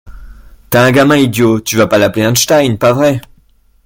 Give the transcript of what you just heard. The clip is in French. T’as un gamin idiot, tu vas pas l’appeler Einstein, pas vrai ?